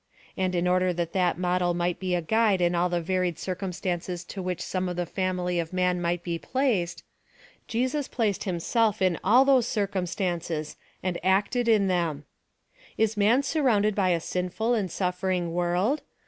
And in order that that model might be a guide in all the varied circumstances in which some of the family of man might be placed, Jesus placed himself in all those circumstances, and acted in them, Is man surrounded by a sinful and suffering world